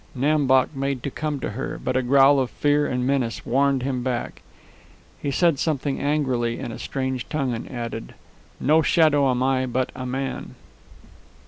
Nam Bok made to come to her, but a growl of fear and menace warned him back. He said something angrily in a strange tongue, and added, "No shadow am I, but a man."